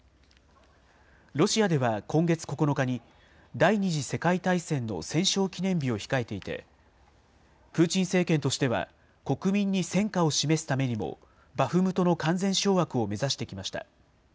ロシアでは今月９日に第２次世界大戦の戦勝記念日を控えていて、プーチン政権としては国民に戦果を示すためにも、バフムトの完全掌握を目指してきました。